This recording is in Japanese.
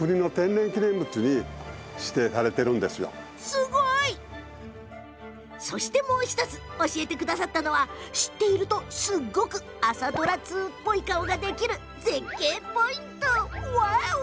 すごい！そしてもう１つ教えてくれたのは知っているとすごく朝ドラ通っぽい顔ができる絶景ポイント。